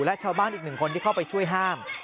และชาวบ้านอีกหนึ่งคนที่เข้าไปช่วยห้าม